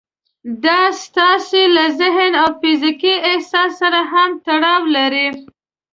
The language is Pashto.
دا ستاسې له ذهني او فزيکي احساس سره هم تړاو لري.